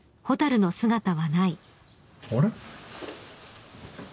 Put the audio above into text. あれ？